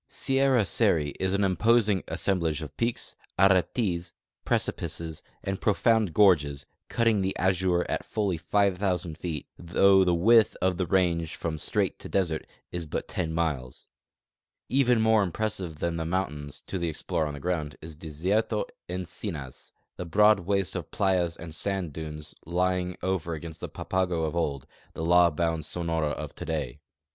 Sierra Seri is an imposing assemblage of peaks, aretes, precipices, and profound gorges, cutting the azure at fully 5,000 feet, though the width of the range from strait to desert is but 10 miles. Even more impressive than the mountains, to the explorer on the ground, is Desierto Encinas — the broad waste of playas and sand dunes lying over against the Papago of old, the law bound Sonora of today.